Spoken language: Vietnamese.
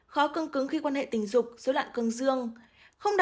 khó cưng cứng khi quan hệ tình dục dối loạn cương dương